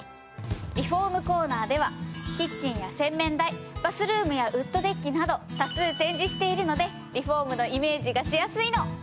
リフォームコーナーではキッチンや洗面台バスルームやウッドデッキなど多数展示しているのでリフォームのイメージがしやすいの。